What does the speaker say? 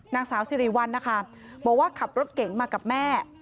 นางสาวสิริวัลนะคะบอกว่าขับรถเก๋งมากับแม่